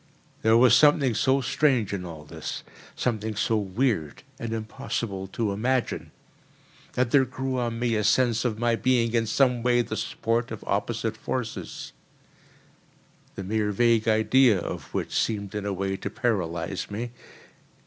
There was something so strange in all this, something so weird and impossible to imagine, that there grew on me a sense of my being in some way the sport of opposite forces—the mere vague idea of which seemed in a way to paralyse me.